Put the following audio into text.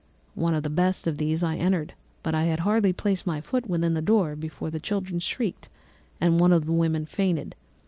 One of the best of these I entered, but I had hardly placed my foot within the door before the children shrieked, and one of the women fainted.